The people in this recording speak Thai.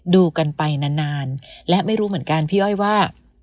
ดูกันไปนานและไม่รู้เหมือนกันพี่อ้อยว่า